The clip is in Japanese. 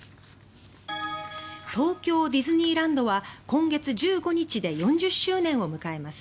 東京ディズニーランドは今月１５日で４０周年を迎えます。